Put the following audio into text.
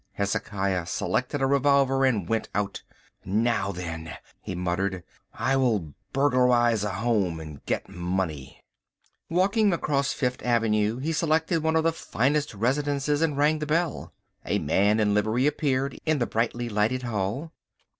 Hezekiah selected a revolver and went out. "Now, then," he muttered, "I will burglarise a house and get money." Walking across to Fifth Avenue he selected one of the finest residences and rang the bell. A man in livery appeared in the brightly lighted hall.